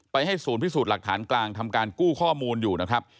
ให้ศูนย์พิสูจน์หลักฐานกลางทำการกู้ข้อมูลอยู่นะครับ